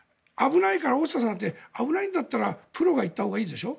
大下さん危ないんだったらプロが行ったほうがいいでしょ。